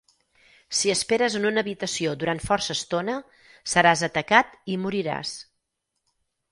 Si esperes en una habitació durant força estona, seràs atacat i moriràs.